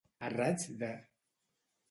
A raig de.